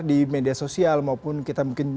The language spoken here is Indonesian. di media sosial maupun kita mungkin